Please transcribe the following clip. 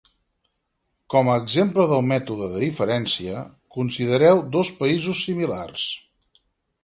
Com a exemple del mètode de diferència, considereu dos països similars.